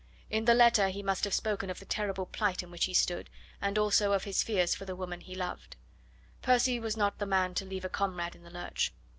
In the letter he must have spoken of the terrible plight in which he stood, and also of his fears for the woman whom he loved. Percy was not the man to leave a comrade in the lurch!